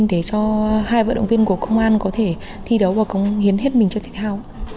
để cho hai vận động viên của công an có thể thi đấu và cống hiến hết mình cho thể thao